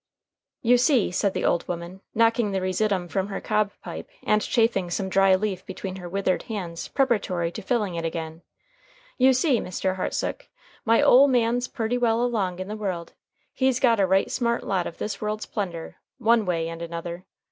"You see," said the old woman, knocking the residuum from her cob pipe, and chafing some dry leaf between her withered hands preparatory to filling it again, "you see, Mr. Hartsook, my ole man's purty well along in the world. He's got a right smart lot of this world's plunder, one way and another."